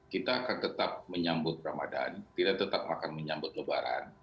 kita akan tetap menyambut ramadhan kita tetap akan menyambut lebaran